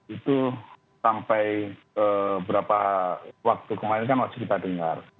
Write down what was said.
itu sampai berapa waktu kemarin kan masih kita dengar